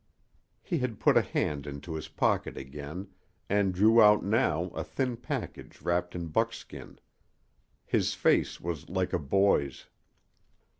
He had put a hand into his pocket again, and drew out now a thin package wrapped in buckskin. His face was like a boy's.